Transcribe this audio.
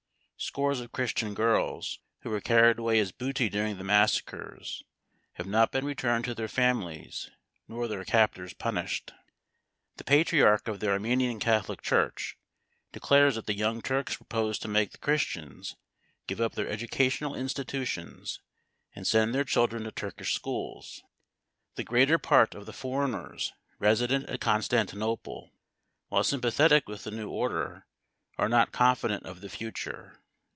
Scores of Christian girls, who were carried away as booty during the massacres, have not been returned to their families nor their captors punished. The Patriarch of the Armenian Catholic Church declares that the Young Turks propose to make the Christians give up their educational institutions and send their children to Turkish schools. The greater part of the foreigners resident at Constantinople, while sympathetic with the new order, are not confident of the future.